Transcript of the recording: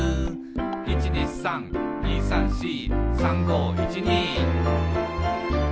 「１２３２３４」「３５１２」